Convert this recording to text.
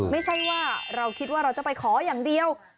ไม่ใช่ว่าเราคิดว่าเราจะไปขออย่างเดียว